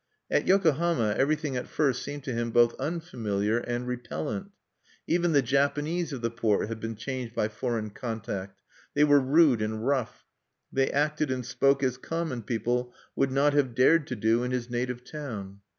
At Yokohama everything at first seemed to him both unfamiliar and repellent. Even the Japanese of the port had been changed by foreign contact: they were rude and rough; they acted and spoke as common people would not have dared to do in his native town.